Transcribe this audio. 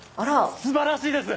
素晴らしいです。